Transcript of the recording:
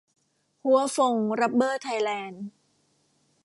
ฮั้วฟง รับเบอร์ ไทยแลนด์